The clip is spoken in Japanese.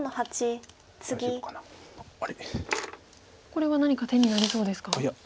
これは何か手になりそうですか？